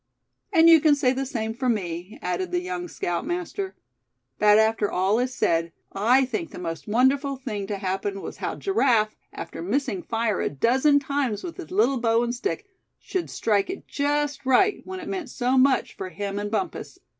"And you can say the same for me," added the young scoutmaster. "But after all is said, I think the most wonderful thing to happen was how Giraffe, after missing fire a dozen times with his little bow and stick, should strike it just right when it meant so much for him and Bumpus.